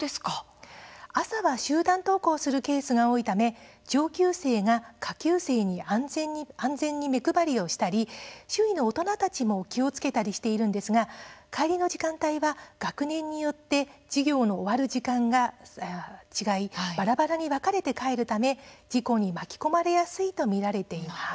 朝は集団登校するケースが多いため、上級生が下級生に安全に目配りをしたり周囲の大人たちも気をつけたりしているんですが帰りの時間帯は学年によって授業の終わる時間が違いばらばらに分かれて帰るため事故に巻き込まれやすいと見られています。